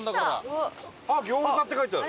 あっ「餃子」って書いてある。